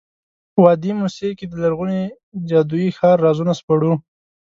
وادي موسی کې د لرغوني جادویي ښار رازونه سپړو.